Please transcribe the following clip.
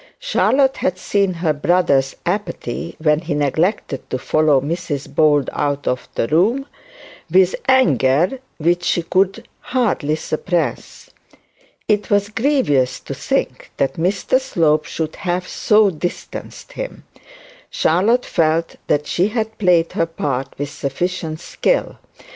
Charlotte had seen her brother's apathy, when he neglected to follow Mrs Bold out of the room, with anger which she could hardly suppress. It was grievous to think that Mr Slope should have so distanced him. Charlotte felt that she had played her part with sufficient skill.